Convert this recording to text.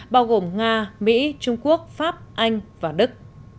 bao gồm nga mỹ trung quốc pháp anh và đức